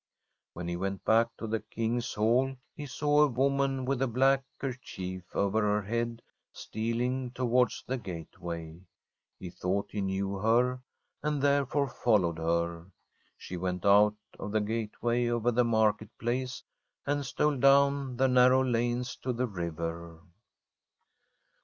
When he went hack to the King's Hall, he saw a woman with a black kerchief over her head stealing towards the gateway. He thought he knew her, and therefore followed her. She went out of the gateway, o\ er the Market Place, and stole down the narrow lanes to the river.